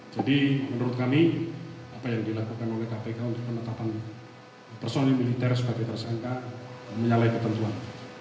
jadi menurut kami apa yang dilakukan oleh kpk untuk penetapan personil militer sudah ditersangka menyalai kepentuan